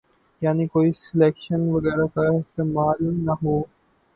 یعنی کوئی سلیکشن وغیرہ کا احتمال نہ ہو۔